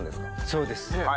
そうです。